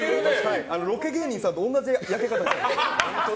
ロケ芸人さんと同じ焼け方なんです。